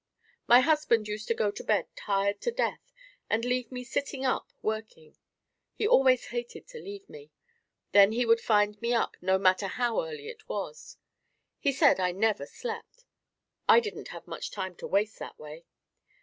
My husband used to go to bed tired to death and leave me sitting up working. He always hated to leave me. Then he would find me up no matter how early it was. He said I never slept. I didn't have much time to waste that way.